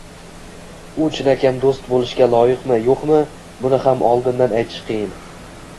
U chinakam do‘st bo‘lishga loyiqmi-yo‘qmi – buni ham oldindan aytish qiyin